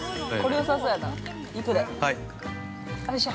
よいしょ。